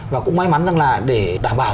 và cũng may mắn rằng là để đảm bảo